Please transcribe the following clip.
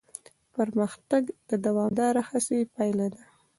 پرمختګ د دوامداره هڅې پایله ده.